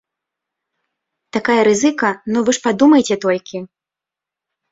Такая рызыка, ну, вы ж падумайце толькі!